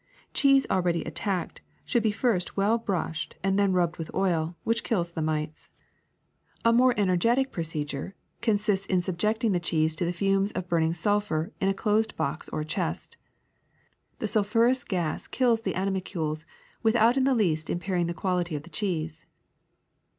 Cheese al ready attacked should first be well brushed and then rubbed with oil, which kills the mites. A more ener LITTLE PESTS 219 getic procedure consists in subjecting the cheese to the fumes of burning sulphur in a closed box or chest. The sulphurous gas kills the animalcules mthout in the least impairing the quality of the cheese.''